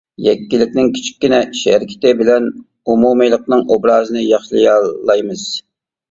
يەككىلىكنىڭ كىچىككىنە ئىش-ھەرىكىتى بىلەن ئومۇمىيلىقنىڭ ئوبرازىنى ياخشىلىيالايمىز.